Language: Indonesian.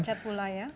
dan macet pula ya